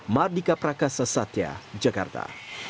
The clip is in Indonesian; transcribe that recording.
mardika prakasa satya jakarta